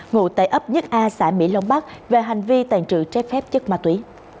ngụ tại ấp nhất a xã mỹ lông bắc về hành vi tàn trự trái phép chất ma túy